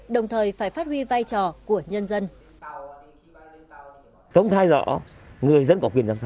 đồng thời phải phát huy vai trò của nhân dân